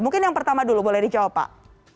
mungkin yang pertama dulu boleh dijawab pak